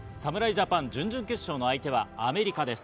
ジャパン、準々決勝の相手はアメリカです。